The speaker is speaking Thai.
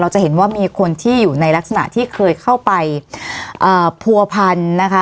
จะเห็นว่ามีคนที่อยู่ในลักษณะที่เคยเข้าไปผัวพันนะคะ